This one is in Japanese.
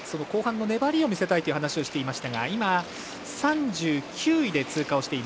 後半の粘りを見せたいと話していましたが今、３９位で通過。